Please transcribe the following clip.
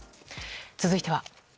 続いては。